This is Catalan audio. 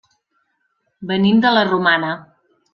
Venim de la Romana.